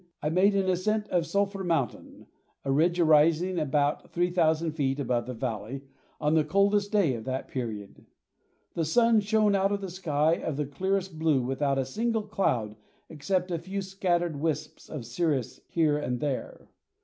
I made an ascent of Sulphur Mountain, a ridge rising about 3,000 feet above the valley, on the coldest day of that period. The sun shone out of a sky of the clearest blue without a single cloud except a few scattered wisps of cirrus here and there.